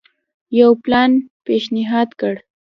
یو پلان پېشنهاد کړ.